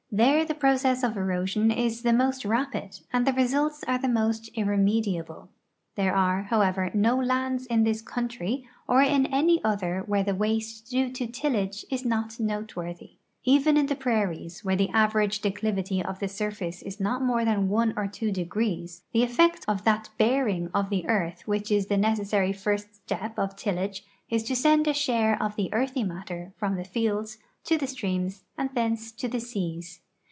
There the process of erosion is the mo.st rapid and the results are the most irremediable. There are, however, no lands in tliis country or in any other where the waste due to tillage is not notewortliy. Even in tlie prairies, where the average declivity of tlie surface is not more than one or two degrees, tlie effect of that baring of the earth which is the necessary first ste)) of tillage is to send a share of the earthy matter from the fields to the streams and thence to the seas.